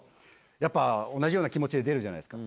やっぱ同じような気持ちで出るじゃないですか。